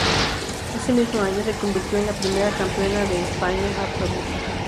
Ese mismo año se convirtió en la primera campeona de España absoluta.